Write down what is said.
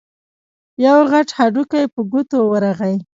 يو غټ هډوکی په ګوتو ورغی.